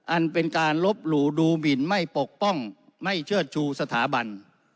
อันเป็นการลบหลู่ดูหมินไม่ปกป้องไม่เชิดชูสถาบัน